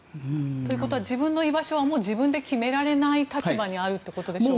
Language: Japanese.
ということは自分の居場所は自分で決められない立場にあるということでしょうか。